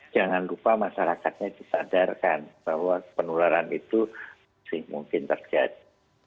jangan lupa masyarakatnya disadarkan bahwa penularan itu masih mungkin terjadi